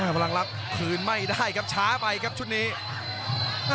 พลังลักษณ์คืนไม่ได้ครับช้าไปครับชุดนี้